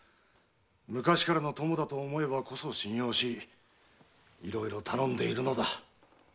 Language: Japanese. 昔からの友だと思えばこそ信用しいろいろ頼んでいるのだ。